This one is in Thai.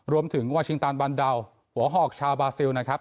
รวมถึงวาชิงตานบันดาหัวหอกชาวบาซิลนะครับ